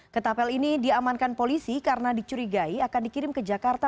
ketapel ini diamankan polisi karena dicurigai akan dikirim ke jakarta